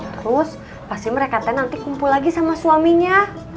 terus pasti mereka tanya nanti kumpul lagi sama suaminya